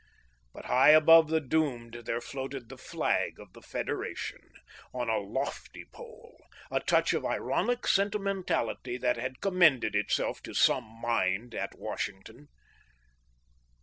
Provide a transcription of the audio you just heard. But high above the doomed there floated the flag of the Federation, on a lofty pole, a touch of ironic sentimentality that had commended itself to some mind at Washington.